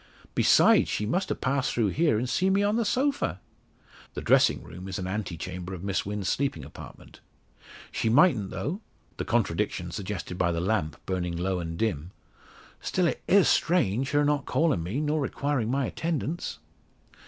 Besides, she must have passed through here, and seen me on the sofa!" The dressing room is an ante chamber of Miss Wynn's sleeping apartment. "She mightn't though," the contradiction suggested by the lamp burning low and dim, "Still, it is strange, her not calling me, nor requiring my attendance?"